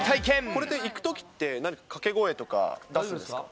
これって行くときって、何か掛け声とか出すんですか？